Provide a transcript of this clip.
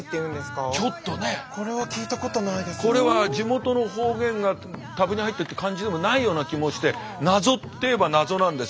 これは地元の方言が多分に入っているという感じでもないような気もして謎って言えば謎なんです。